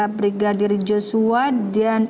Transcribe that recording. brigadir joshua dan